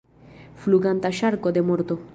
Fluganta ŝarko de morto!